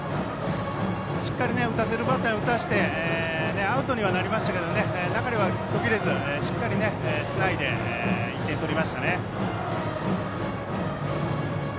しっかり打たせるバッターに打たせてアウトにはなりましたけど流れは途切れずしっかりつないで１点、取りましたね。